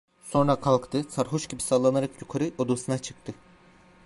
Sonra kalktı, sarhoş gibi sallanarak yukarıya, odasına çıktı.